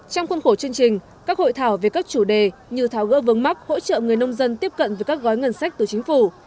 trong khuôn khổ chương trình các hội thảo về các chủ đề như tháo gỡ vấn mắc hỗ trợ người nông dân tiếp cận với các gói ngân sách từ chính phủ